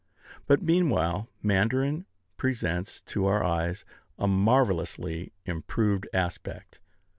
But, meanwhile, Mandarin presents to our eyes a marvellously improved aspect.